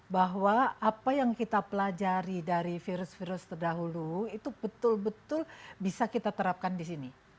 bahwa apa yang kita pelajari dari virus virus terdahulu itu betul betul bisa kita terapkan di sini